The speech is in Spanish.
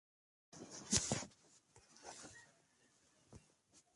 Como profesor alcanzó la cátedra de Historia Económica en la Universidad de Valladolid.